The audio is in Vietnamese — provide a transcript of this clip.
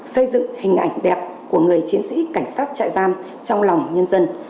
xây dựng hình ảnh đẹp của người chiến sĩ cảnh sát trại giam trong lòng nhân dân